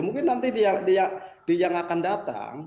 mungkin nanti yang akan datang